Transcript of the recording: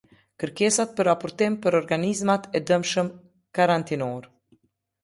Kërkesat për raportim për organizmat e dëmshëm karantinorë.